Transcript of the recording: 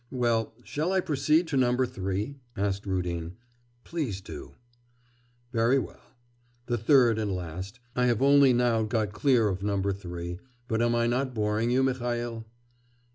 'Well, shall I proceed to number three?' asked Rudin. 'Please do.' 'Very well. The third and last. I have only now got clear of number three. But am I not boring you, Mihail?